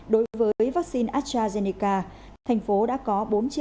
đối với vaccine astrazeneca thành phố đã có bốn hai trăm tám mươi một ba trăm sáu mươi tám